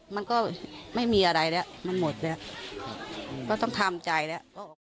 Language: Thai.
มันก็ไม่มีอะไรแล้วมันหมดแล้วก็ต้องทำใจแล้ว